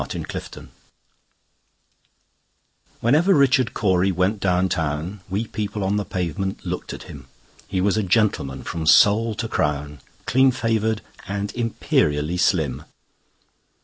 Richard Cory Whenever Richard Cory went down town, We people on the pavement looked at him: He was a gentleman from sole to crown, Clean favored, and imperially slim.